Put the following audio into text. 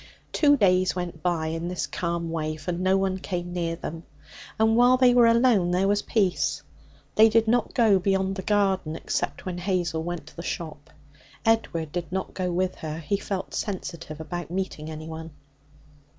Two days went by in this calm way, for no one came near them, and while they were alone there was peace. They did not go beyond the garden, except when Hazel went to the shop. Edward did not go with her; he felt sensitive about meeting anyone.